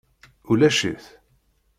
Ulac-it.